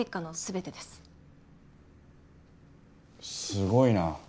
すごいな。